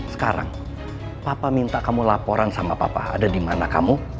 sekarang papa minta kamu laporan sama papa ada di mana kamu